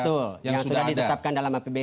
betul yang sudah ditetapkan dalam apbn